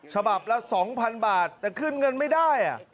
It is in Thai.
ฉบับละ๒๐๐๐บาทแต่ขึ้นเงินไม่ได้